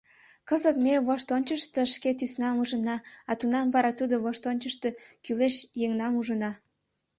Кызыт ме воштончышышто шке тӱснам ужына, а тунам вара тудо воштончышышто кӱлеш еҥнам ужына...